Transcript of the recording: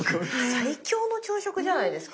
最強の朝食じゃないですか。